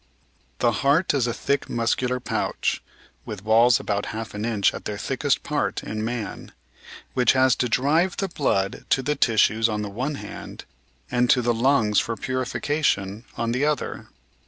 The heart is a thick muscular pouch — with walls about half an inch at their thickest part in man — ^which has to drive the blood to the tissues on the one hand, and to the lungs for purifi cation on the other.